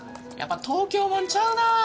やっぱ東京もんちゃうな。